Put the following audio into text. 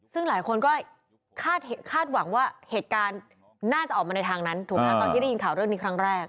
ซึ่งหลายคนก็คาดหวังว่าเหตุการณ์น่าจะออกมาในทางนั้นถูกไหมตอนที่ได้ยินข่าวเรื่องนี้ครั้งแรก